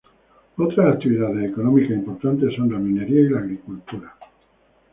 Otras actividades económicas importantes son la minería y la agricultura.